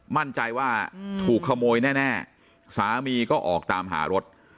มั่นใจว่าถูกขโมยแน่สามีก็ออกตามหารถ